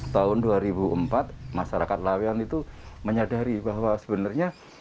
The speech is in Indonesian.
tahun dua ribu empat masyarakat lawean itu menyadari bahwa sebenarnya